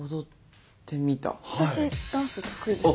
私ダンス得意ですよ。